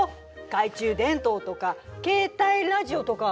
懐中電灯とか携帯ラジオとか。